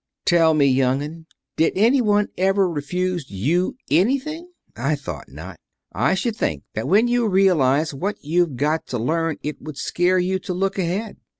"Tell me, young 'un, did any one ever refuse you anything? I thought not. I should think that when you realize what you've got to learn it would scare you to look ahead.